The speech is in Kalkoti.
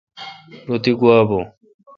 رو تی گوا بھو۔